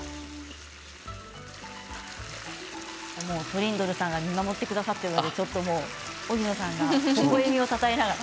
トリンドルさんが見守ってくださっているので荻野さんがほほえみをたたえながら。